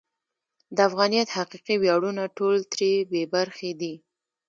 د افغانیت حقیقي ویاړونه ټول ترې بې برخې دي.